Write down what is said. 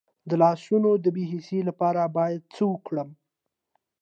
د لاسونو د بې حسی لپاره باید څه وکړم؟